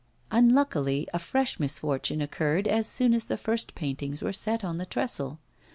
Unluckily, a fresh misfortune occurred as soon as the first paintings were set on the trestle.